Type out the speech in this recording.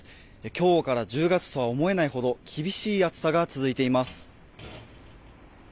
今日から１０月とは思えないほど厳しい暑さが続いています。